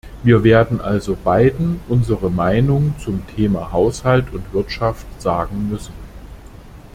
Wir werden also beiden unsere Meinung zum Thema Haushalt und Wirtschaft sagen müssen.